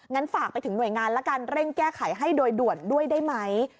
ฝากไปถึงหน่วยงานละกันเร่งแก้ไขให้โดยด่วนด้วยได้ไหม